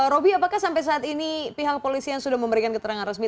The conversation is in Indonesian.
roby apakah sampai saat ini pihak polisian sudah memberikan keterangan resmi